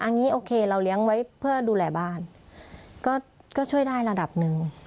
อันนี้โอเคเราเลี้ยงไว้เพื่อดูแลบ้านก็ช่วยได้ระดับหนึ่ง